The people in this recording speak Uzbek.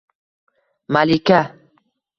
malika.